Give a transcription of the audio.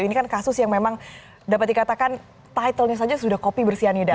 ini kan kasus yang memang dapat dikatakan title nya saja sudah kopi bersianida